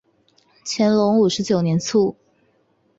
乾隆五十九年卒。